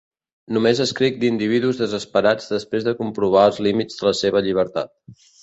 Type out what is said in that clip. Només escric d'individus desesperats després de comprovar els límits de la seva llibertat.